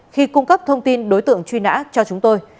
khi cung cấp thông tin đối tượng truy nã cho chúng tôi